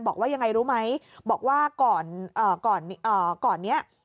บอกว่ายังไงรู้ไหมบอกว่าก่อนนี้